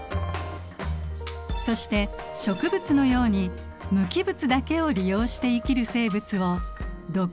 そして植物のように無機物だけを利用して生きる生物を「独立栄養生物」。